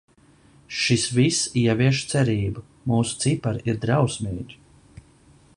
Šis viss ievieš cerību. Mūsu cipari ir drausmīgi.